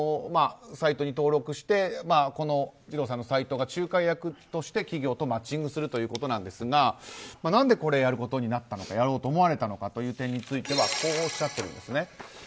サイトに登録して二郎さんのサイトが仲介役として企業とマッチングするということなんですが何でこれをやろうと思われたかという点についてはこうおっしゃっています。